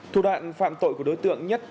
thủ đoạn phạm tội của đối tượng nhất